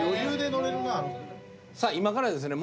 さあ今からですね